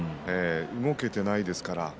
動けていないですから。